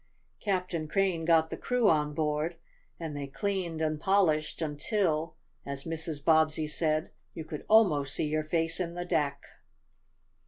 Captain Crane got the crew on board, and they cleaned and polished until, as Mrs. Bobbsey said, you could almost see your face in the deck.